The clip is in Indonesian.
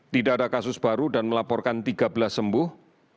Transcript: tidak ada kasus baru dan melaporkan tiga belas sembuh